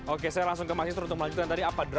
oke saya langsung ke mas istri untuk melanjutkan tadi